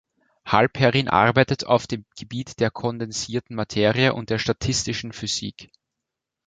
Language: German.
Halperin arbeitet auf dem Gebiet der kondensierten Materie und der statistischen Physik.